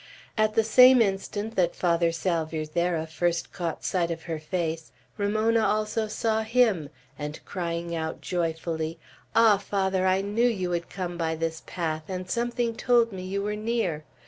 At the same instant that Father Salvierderra first caught sight of her face, Ramona also saw him, and crying out joyfully, "Ah, Father, I knew you would come by this path, and something told me you were near!"